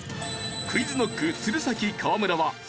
ＱｕｉｚＫｎｏｃｋ鶴崎河村は３位４位。